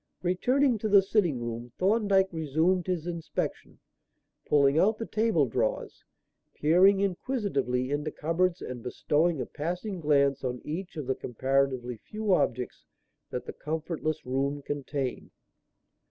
Returning to the sitting room, Thorndyke resumed his inspection, pulling out the table drawers, peering inquisitively into cupboards and bestowing a passing glance on each of the comparatively few objects that the comfortless room contained.